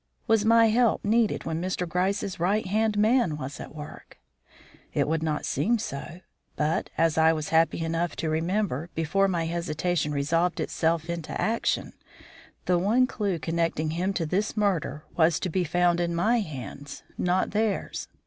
Was my help needed when Mr. Gryce's right hand man was at work? It would not seem so. But as I was happy enough to remember before my hesitation resolved itself into action the one clue connecting him to this murder was to be found in my hands, not theirs.